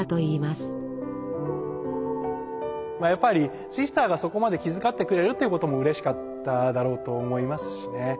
やっぱりシスターがそこまで気遣ってくれるっていうこともうれしかっただろうと思いますしね。